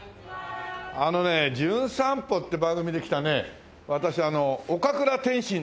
あのね『じゅん散歩』って番組で来たね私岡倉天心という。